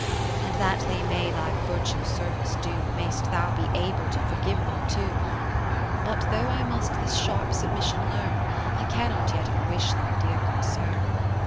And that they may thy virtue service do, Mayst thou be able to forgive them too : 40 But though I must this sharp submission learn, I cannot yet unwish thy dear concern.